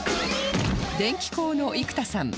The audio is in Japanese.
電気工の生田さん